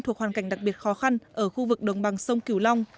thuộc hoàn cảnh đặc biệt khó khăn ở khu vực đồng bằng sông kiều long